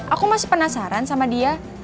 aku masih penasaran sama dia